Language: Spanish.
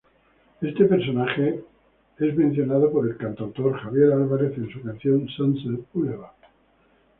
Este personaje es mencionado por el cantautor Javier Álvarez en su canción Sunset boulevard.